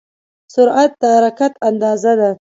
سرعت د حرکت اندازه ده.